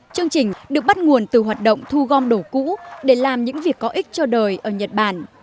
chương trình được bắt nguồn từ hoạt động thu gom đồ cũ để làm những việc có ích cho đời ở nhật bản